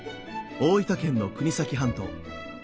大分県の国東半島。